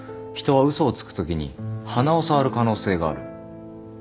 人は嘘をつくときに鼻を触る可能性がある。